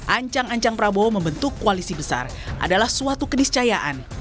ancang ancang prabowo membentuk koalisi besar adalah suatu kediscayaan